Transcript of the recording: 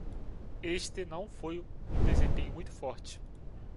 Este não foi um desempenho muito forte.